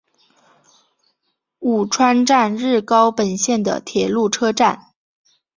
鹉川站日高本线的铁路车站。